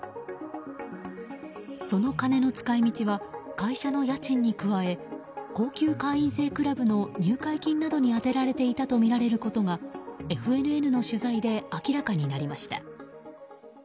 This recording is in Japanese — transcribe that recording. その金の使い道は会社の家賃に加え高級会員制クラブの入会金などに充てられていたとみられることがＦＮＮの取材で明らかになりました。